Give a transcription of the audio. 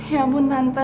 ya ampun tante